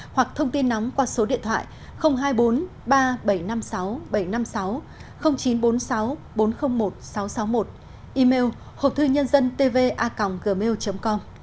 hoặc thông tin nóng qua số điện thoại hai mươi bốn ba nghìn bảy trăm năm mươi sáu bảy trăm năm mươi sáu chín trăm bốn mươi sáu bốn trăm linh một nghìn sáu trăm sáu mươi một email hộpthuyênhânzantva gmail com